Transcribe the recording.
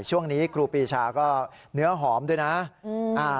ช่วงนี้ครูปีชาก็เนื้อหอมด้วยนะ